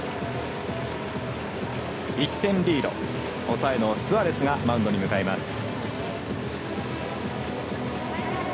１点リード、抑えのスアレスがマウンドに向かいました。